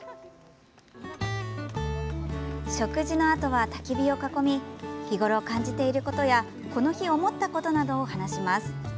食事のあとはたき火を囲み日ごろ感じていることやこの日思ったことなどを話します。